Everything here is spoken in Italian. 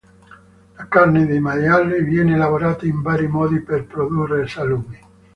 La carne di maiale viene lavorata in vari modi per produrre salumi.